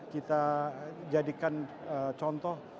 kita jadikan contoh